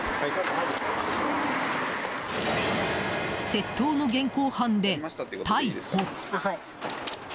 窃盗の現行犯で逮捕。